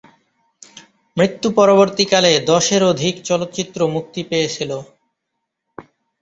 মৃত্যু পরবর্তীকালে দশের অধিক চলচ্চিত্র মুক্তি পেয়েছিল।